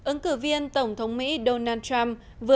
ấn cử viên tổng thống mỹ donald trump